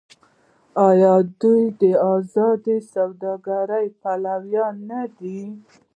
آیا دوی د ازادې سوداګرۍ پلویان نه دي؟